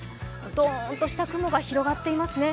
どーんとした空が広がっていますね。